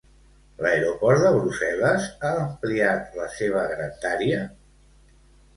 L'aeroport de Brussel·les ha ampliat la seva grandària?